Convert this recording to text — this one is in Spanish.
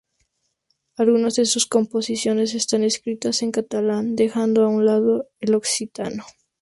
Algunas de sus composiciones están escritas en catalán, dejando a un lado el occitano.